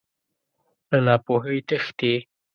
له ناپوهۍ تښتې.